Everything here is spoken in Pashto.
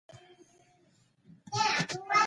خط کشونه د اوږدوالي د اندازه کولو یوه بله وسیله ده.